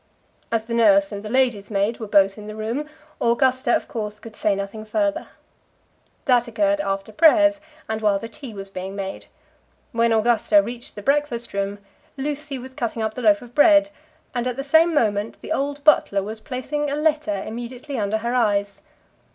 As the nurse and the lady's maid were both in the room, Augusta, of course, could say nothing further. That occurred after prayers, and while the tea was being made. When Augusta reached the breakfast room, Lucy was cutting up the loaf of bread, and at the same moment the old butler was placing a letter immediately under her eyes.